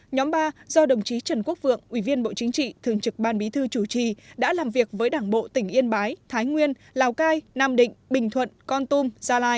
nhóm ba do đồng chí trần quốc vượng ủy viên bộ chính trị thường trực ban bí thư chủ trì đã làm việc với đảng bộ tỉnh yên bái thái nguyên lào cai nam định bình thuận con tum gia lai